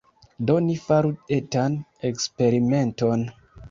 Do, ni faru etan eksperimenton.